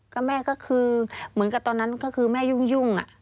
ก็แม่ก็คือเหมือนกับตอนนั้นก็คือแม่ยุ่ง